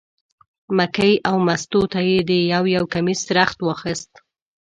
مکۍ او مستو ته یې د یو یو کمیس رخت واخیست.